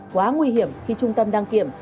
quá nguy hiểm khi trung tâm đăng kiểm